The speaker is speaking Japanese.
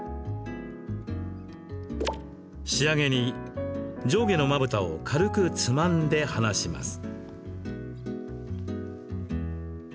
仕上げに、上下のまぶたを軽くつまんで離します。